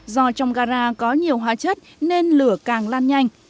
do trong gara có nhiều hóa chất nên lửa càng lan nhanh